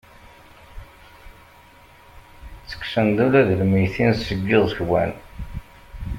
Ttekksent-d ula d lmeyytin seg iẓekwan.